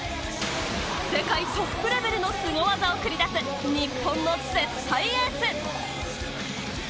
世界トップレベルのすご技を繰り出す、日本の絶対エース。